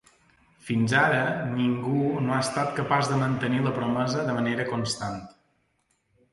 Fins ara ningú no ha estat capaç de mantenir la promesa de manera constant.